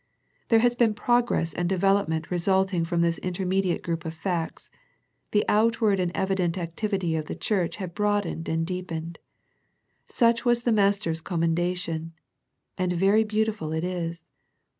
There had been progress and development resulting from this intermediate group of facts, the out ward and evident activity of the church had broadened and deepened. Such was the Mas ter's commendation, and very beautiful it is.